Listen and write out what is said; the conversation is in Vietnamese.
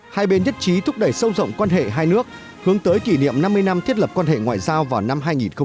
hai bên nhất trí thúc đẩy sâu rộng quan hệ hai nước hướng tới kỷ niệm năm mươi năm thiết lập quan hệ ngoại giao vào năm hai nghìn hai mươi